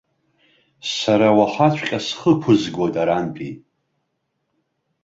Сара уахаҵәҟьа схы ықәызгоит арантәи.